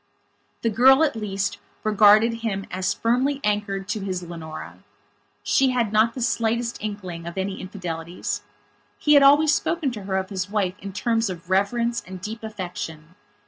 The girl, at least, regarded him as firmly anchored to his Leonora. She had not the slightest inkling of any infidelities. He had always spoken to her of his wife in terms of reverence and deep affection.